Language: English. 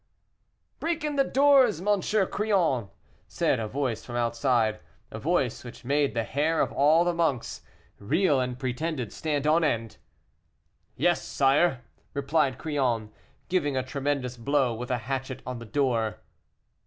"Break in the doors, Monsieur Crillon!" said, from outside, a voice which made the hair of all the monks, real and pretended, stand on end. "Yes, sire," replied Crillon, giving a tremendous blow with a hatchet on the door.